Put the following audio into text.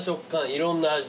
いろんな味。